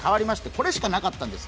これしかなかったんです。